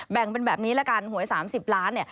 แบ่งเป็นแบบนี้แหละกันหวย๓๐ล้าน